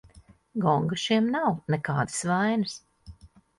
Gonga šiem nav, nekādas vainas.